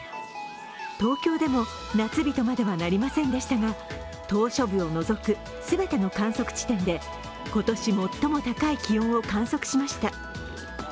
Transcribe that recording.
東京でも、夏日とまではなりませんでしたが、島しょ部を除く全ての観測地点で今年最も高い気温を観測しました。